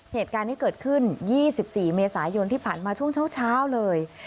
เหตุการณ์ที่เกิดขึ้น๒๔เมษายนที่ผ่านมาช่วงเช้าเลย